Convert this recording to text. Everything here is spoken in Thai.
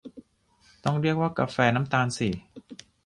ต้องเรียกว่ากาแฟน้ำตาลสิ